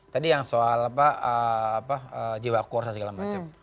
tadi yang soal jiwa kursus dan segala macam